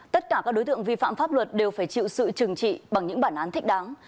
tất cả các đối tượng vi phạm pháp luật đều phải chịu sự trừng trị bằng những bản án thích đáng